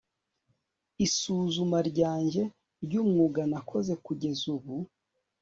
isuzuma ryanjye ryumwuga nakoze kugeza ubu